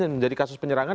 menjadi kasus penyerangan